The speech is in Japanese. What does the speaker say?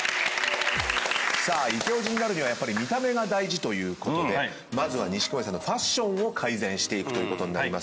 イケおじになるにはやっぱり見た目が大事ということでまずは錦鯉さんのファッションを改善していくことになりますけど。